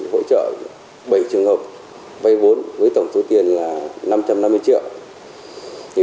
hỗ trợ bảy trường hợp vay vốn với tổng số tiền là năm trăm năm mươi triệu